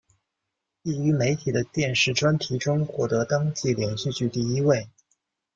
亦于媒体的电视专题中获得当季连续剧第一位。